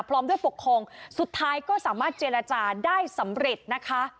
พร้อมด้วยปกครองสุดท้ายก็สามารถเจรจาได้สำเร็จนะคะ